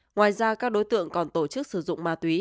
ngoài ra các đối tượng còn tổ chức sử dụng ma túy